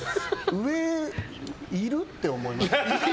上いる？って思います。